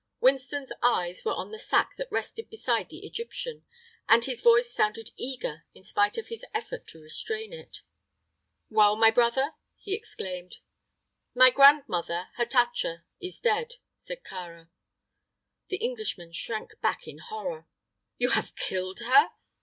Winston's eyes were on the sack that rested beside the Egyptian, and his voice sounded eager in spite of his effort to restrain it. "Well, my brother?" he exclaimed. "My grandmother, Hatatcha, is dead," said Kāra. The Englishman shrank back in horror. "You have killed her?"